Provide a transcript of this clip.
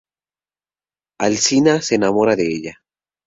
Alcina se enamora de ella.